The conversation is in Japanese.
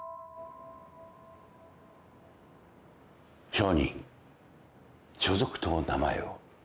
証人所属と名前を。